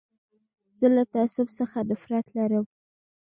زه له تعصب څخه نفرت لرم.